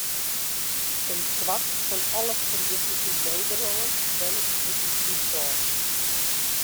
In kwart fan alle Friezen yn Nederlân wennet bûten Fryslân.